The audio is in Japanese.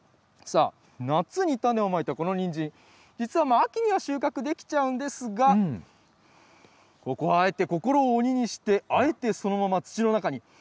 夏に種をまいたこのにんじん、実は秋には収穫できちゃうんですが、ここはあえて、心を鬼にして、あえてそのまま、土の中に。